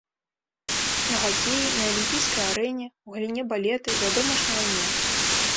На хакеі, на алімпійскай арэне, у галіне балета і, вядома ж, на вайне.